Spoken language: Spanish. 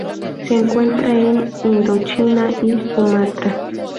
Se encuentra en Indochina y Sumatra.